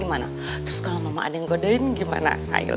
ini tak sakit nah meringis